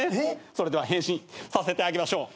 それでは変身させてあげましょう。